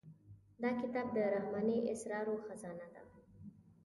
دا کتاب د رحماني اسرارو خزانه ده.